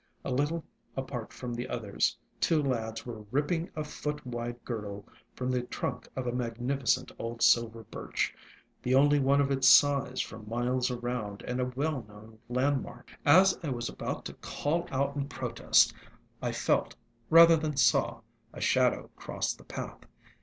A little apart from the others two lads were ripping a foot wide girdle from the trunk of a magnificent old Silver Birch, the only one of its size for miles around and a well known landmark. As I was about to call out in protest, I felt, rather than saw, a shadow cross the path.